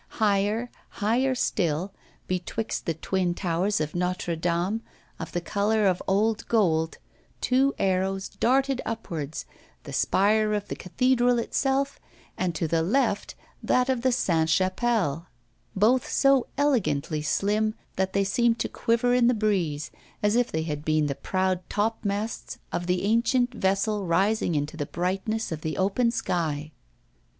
Higher, higher still, betwixt the twin towers of Notre Dame, of the colour of old gold, two arrows darted upwards, the spire of the cathedral itself, and to the left that of the Sainte Chapelle, both so elegantly slim that they seemed to quiver in the breeze, as if they had been the proud topmasts of the ancient vessel rising into the brightness of the open sky.